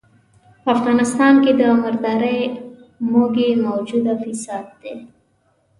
په افغانستان کې د مردارۍ موږی موجوده فساد دی.